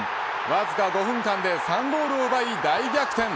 わずか５分間で３ゴールを奪い、大逆転。